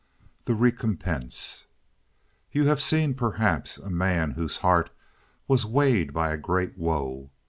The Recompense You have seen, perhaps, a man whose heart was weighted by a great woe.